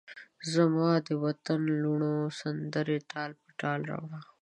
زمادوطن لوڼوته سندرې تال په تال راوړه